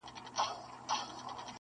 ځکه ډلي جوړوي د شریکانو-